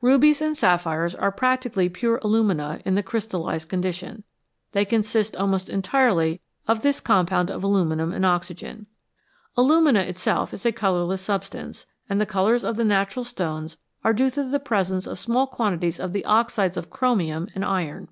Rubies and sapphires are practically pure alumina in the crystallised condition ; they consist almost entirely of this compound of aluminium and oxygen. Alumina itself is a colourless substance, and the colours of the natural stones are due to the presence of small quantities of the oxides of chromium and iron.